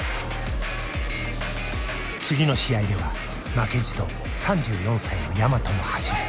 次の試合では負けじと３４歳の大和も走る。